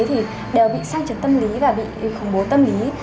thì đều bị sang trực tâm lý và bị khủng bố tâm lý